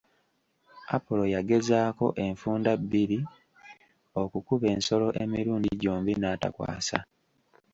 Apolo yagezaako enfunda bbiri okukuba ensolo, emirundi gyombi n'atakwasa.